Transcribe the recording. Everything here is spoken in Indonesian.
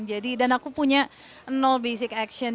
jadi dan aku punya basic action